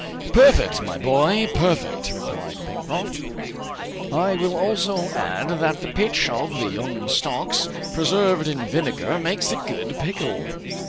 "Perfect, my boy, perfect!" replied Pencroft. "I will also add that the pith of the young stalks, preserved in vinegar, makes a good pickle."